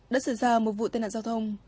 đã xảy ra một vụ tai nạn giao thông